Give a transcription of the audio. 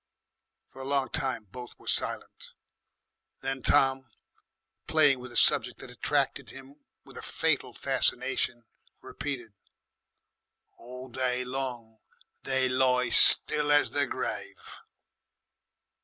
For a long time both were silent. Then Tom, playing with a subject that attracted him with a fatal fascination, repeated, "All day long they lie still as the grave."